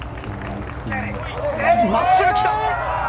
真っすぐ来た！